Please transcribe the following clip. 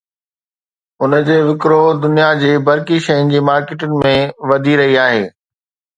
ان جي وڪرو دنيا جي برقي شين جي مارڪيٽن ۾ وڌي رهي آهي